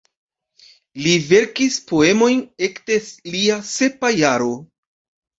Li verkis poemojn ekde lia sepa jaro.